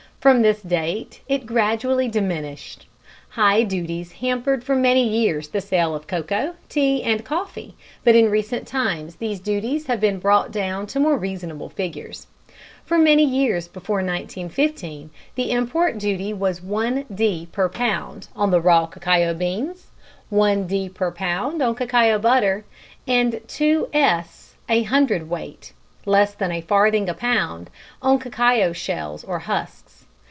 From this date it gradually diminished. High duties hampered for many years the sale of cocoa, tea and coffee, but in recent times these duties have been brought down to more reasonable figures. For many years before 1915 the import duty was 1d. per pound on the raw cacao beans, 1d. per pound on cacao butter, and 2s. a hundredweight (less than a farthing a pound) on cacao shells or husks.